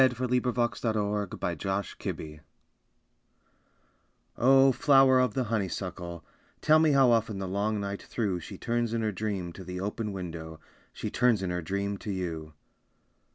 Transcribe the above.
Nocturnes of the Honeysuckle II Oh, flower of the honeysuckle, Tell me how often the long night through She turns in her dream to the open window, She turns in her dream to you.